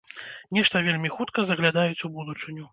Нешта вельмі хутка заглядаюць у будучыню.